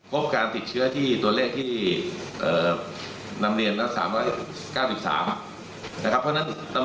หนักยังไม่มีเลยในส่วนของข้องกลับ